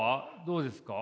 どうですか？